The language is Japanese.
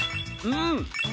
うん！